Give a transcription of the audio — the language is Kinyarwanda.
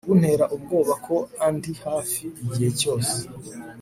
kuntera ubwoba ko andi hafi igihe cyose